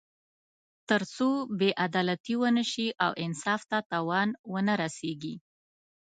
تر څو بې عدالتي ونه شي او انصاف ته تاوان ونه رسېږي.